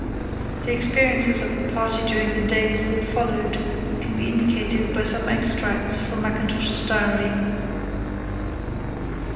The experiences of the party during the days that followed can be indicated by some extracts from Mackintosh's diary.